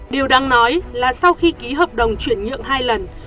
điều đáng nói là sau khi ký hợp đồng chuyển nhượng hai lần